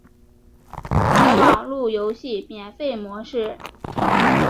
采网路游戏免费模式。